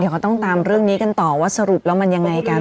เขาต้องตามเรื่องนี้กันต่อว่าสรุปแล้วมันยังไงกัน